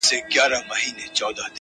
• سم له واکه تللی د ازل او د اسمان یمه -